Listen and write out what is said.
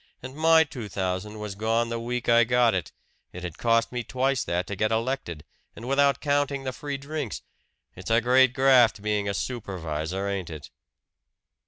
And my two thousand was gone the week I got it it had cost me twice that to get elected and without counting the free drinks. It's a great graft, being a supervisor, ain't it?"